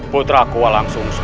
putra ku walang kursa